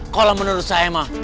kau lah menurut saya mah